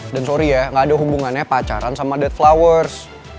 dan sorry ya gak ada hubungannya pacaran sama dead flowers